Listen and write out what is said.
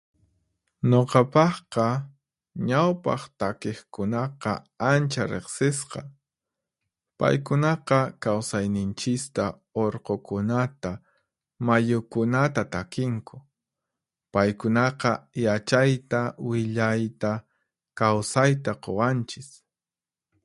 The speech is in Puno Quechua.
Nuqapaqqa, ñawpaq takiqkunaqa ancha riqsisqa. Paykunaqa kawsayninchista, urqukunata, mayukunata takinku. Paykunaqa yachayta, willayta, kawsayta quwanchis.